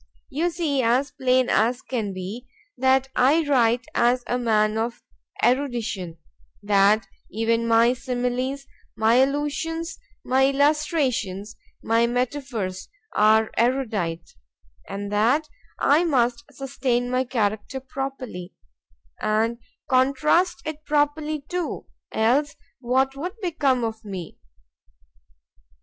You see as plain as can be, that I write as a man of erudition;—that even my similies, my allusions, my illustrations, my metaphors, are erudite,—and that I must sustain my character properly, and contrast it properly too,—else what would become of me?